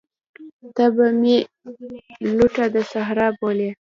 ته به مي لوټه د صحرا بولې